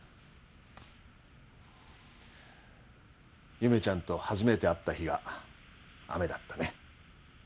夢ちゃんと初めて会った日が雨だったね。